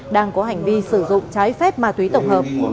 đang có hành vi sử dụng trái phép ma túy tổng hợp